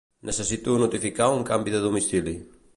Necessito notificar un canvi de domicili.